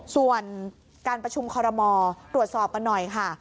ส่วนการประชุมคอรมอตรวจสอบกันหน่อยค่ะ